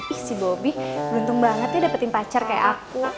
ih si bobi beruntung banget ya dapetin pacar kayak aku